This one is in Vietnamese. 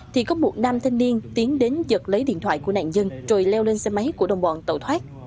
thì có một nam thanh niên tiến đến giật lấy điện thoại của nạn dân rồi leo lên xe máy của đồng bọn tẩu thoát